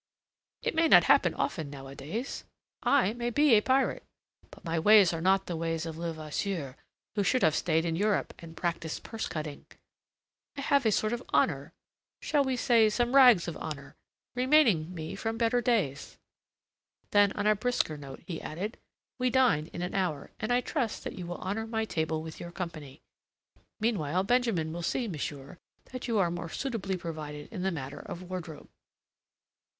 It may not happen often nowadays. I may be a pirate. But my ways are not the ways of Levasseur, who should have stayed in Europe, and practised purse cutting. I have a sort of honour shall we say, some rags of honour? remaining me from better days." Then on a brisker note he added: "We dine in an hour, and I trust that you will honour my table with your company. Meanwhile, Benjamin will see, monsieur, that you are more suitably provided in the matter of wardrobe."